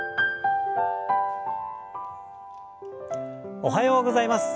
おはようございます。